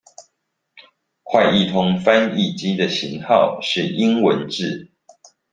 快譯通翻譯機的型號是英文字